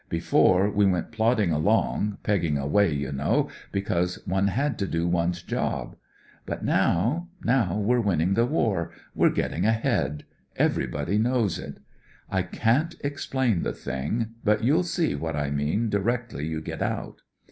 Before, we went plodding along, pegging away, you know, because one had to do one's job ; but now — now, we're winning the war, we're getting ahead — everybody knows it. I can't explain the thing, but you'll see what I mean directly you get out.